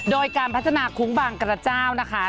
โดยการพัฒนาคุ้งบางกระเจ้านะคะ